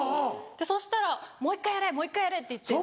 そしたら「もう１回やれもう１回やれ」って言って。